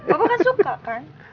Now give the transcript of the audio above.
papa kan suka kan